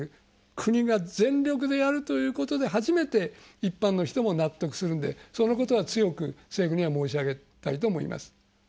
国が全力でやるということで初めて一般の人も納得するんでそのことは強く政府には申し上げたいと思います。